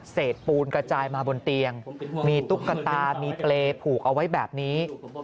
ปูนกระจายมาบนเตียงมีตุ๊กตามีเปรย์ผูกเอาไว้แบบนี้